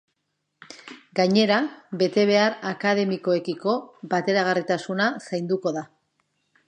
Gainera, betebehar akademikoekiko bateragarritasuna zainduko da.